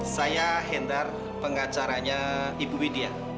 saya hendar pengacaranya ibu widya